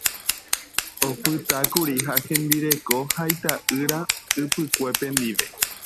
Opytákuri ha hembireko ha ita'ýra ypykue ndive.